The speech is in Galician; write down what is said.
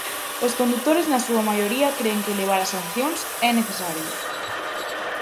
Os condutores na súa maioría cren que elevar as sancións é necesario.